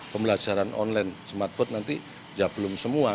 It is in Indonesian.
pembelajaran online smartboard nanti ya belum semua